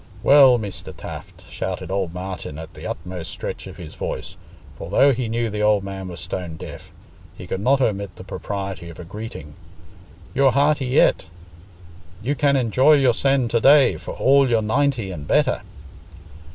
"Well, Mester Taft," shouted old Martin, at the utmost stretch of his voice—for though he knew the old man was stone deaf, he could not omit the propriety of a greeting—"you're hearty yet. You can enjoy yoursen to day, for all you're ninety an' better."